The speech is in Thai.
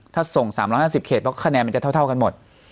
ถ้าส่ง๓๕๐เขตเพราะคะแนนมันจะเท่ากันหมด